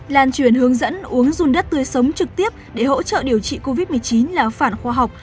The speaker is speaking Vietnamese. lan truyền hướng dẫn uống run đất tươi sống trực tiếp để hỗ trợ điều trị covid một mươi chín là phản khoa học